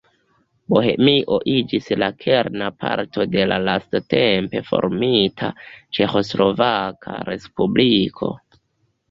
Bohemio iĝis la kerna parto de la lastatempe formita Ĉeĥoslovaka Respubliko.